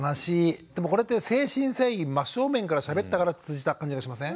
でもこれって誠心誠意真っ正面からしゃべったから通じた感じがしません？